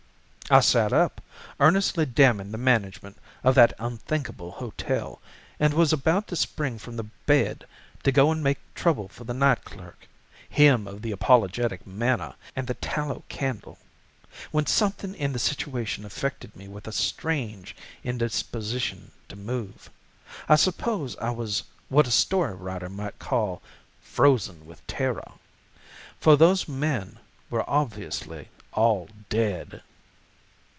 I sat up, earnestly damning the management of that unthinkable hotel, and was about to spring from the bed to go and make trouble for the night clerk—him of the apologetic manner and the tallow candle—when something in the situation affected me with a strange indisposition to move. I suppose I was what a story writer might call 'frozen with terror.' For those men were obviously all dead!